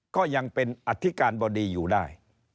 ก็ยังเป็นอธิการบดีอยู่ได้